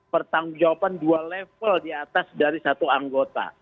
pertanggung jawaban dua level diatas dari satu anggota